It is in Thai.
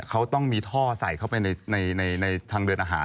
เขาต้องมีท่อใส่เข้าไปในทางเดินอาหาร